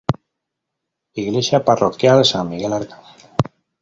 Iglesia parroquial San Miguel Arcángel.